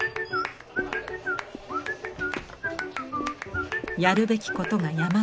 やるべきことが山積み。